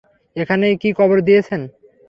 এখানেই কি কবর দিয়েছেন?